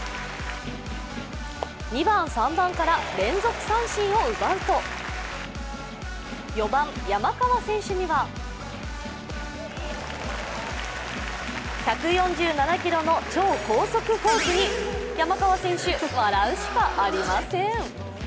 ２番・３番から連続三振を奪うと４番・山川選手には１４７キロの超高速フォークに山川選手、笑うしかありません。